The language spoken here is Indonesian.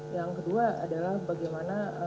yang kedua adalah bagaimana